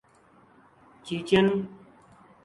چیچن